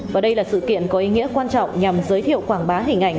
và đây là sự kiện có ý nghĩa quan trọng nhằm giới thiệu quảng bá hình ảnh